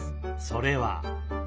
それは？